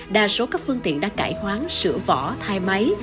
đa số các phương tiện đã cải khoáng sửa vỏ thai máy